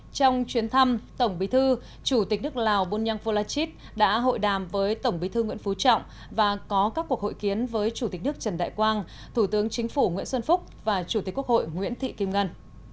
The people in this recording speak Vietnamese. trong chuyến thăm tổng bí thư chủ tịch nước lào bunyang volachit đã hội đàm với tổng bí thư nguyễn phú trọng và có các cuộc hội kiến với chủ tịch nước trần đại quang thủ tướng chính phủ nguyễn xuân phúc và chủ tịch quốc hội nguyễn thị kim ngân